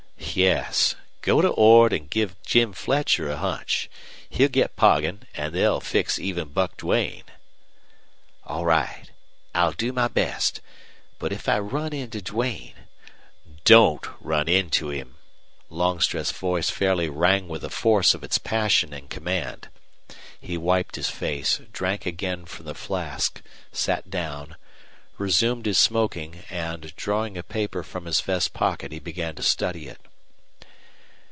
"Yes. Go to Ord and give Jim Fletcher a hunch. He'll get Poggin, and they'll fix even Buck Duane." "All right. I'll do my best. But if I run into Duane " "Don't run into him!" Longstreth's voice fairly rang with the force of its passion and command. He wiped his face, drank again from the flask, sat down, resumed his smoking, and, drawing a paper from his vest pocket he began to study it.